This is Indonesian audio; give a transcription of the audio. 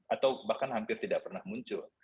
atau bahkan hampir tidak pernah muncul